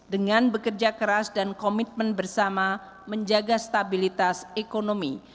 dengan bekerja keras dan komitmen bersama menjaga stabilitas ekonomi